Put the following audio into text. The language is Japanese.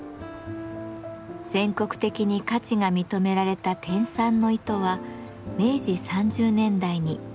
全国的に価値が認められた天蚕の糸は明治３０年代に最盛期を迎えます。